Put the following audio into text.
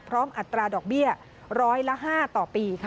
อัตราดอกเบี้ยร้อยละ๕ต่อปีค่ะ